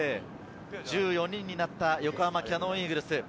１４人になった横浜キヤノンイーグルス。